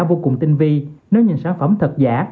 vô cùng tinh vi nếu những sản phẩm thật giả